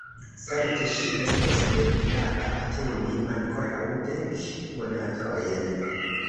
Certe ŝi estos devigata atendi ankoraŭ dek monatojn.